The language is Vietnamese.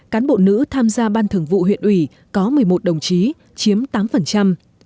cán bộ nữ tham gia ban thường vụ huyện ủy có một mươi một đồng chí chiếm tám